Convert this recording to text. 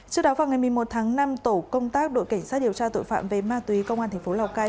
trước đó vào ngày một mươi một tháng năm tổ công tác đội cảnh sát điều tra tội phạm về ma túy công an thành phố lào cai